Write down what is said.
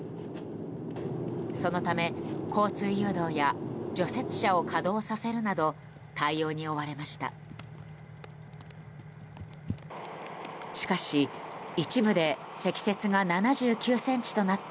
そのため交通誘導や除雪車を稼働させるなど対応に追われました。